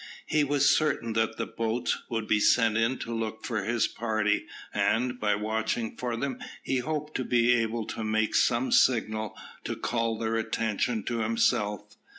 He was certain that the boats would be sent in to look for his party, and, by watching for them, he hoped to be able to make some signal to call their attention to himself.